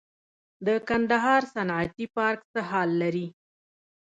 د کندهار صنعتي پارک څه حال لري؟